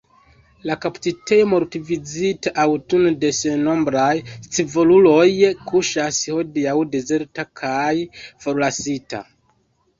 La kaptitejo, multvizitita aŭtune de sennombraj scivoluloj, kuŝas hodiaŭ dezerta kaj forlasita.